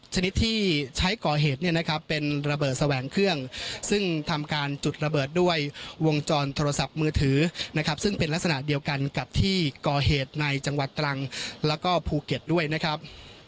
ชนิดที่ใช้ก่อเหตุเนี่ยนะครับเป็นระเบิดแสวงเครื่องซึ่งทำการจุดระเบิดด้วยวงจรโทรศัพท์มือถือนะครับซึ่งเป็นลักษณะเดียวกันกับที่ก่อเหตุในจังหวัดตรังแล้วก็ภูเก็ตด้วยนะครับ